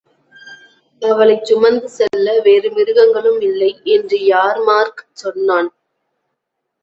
அவளைச் சுமந்து செல்ல வேறு மிருகங்களும் இல்லை என்று யார்மார்க் சொன்னான்.